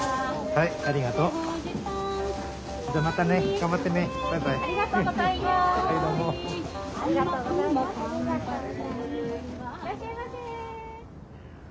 いらっしゃいませ！